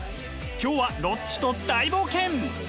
今日はロッチと大冒険。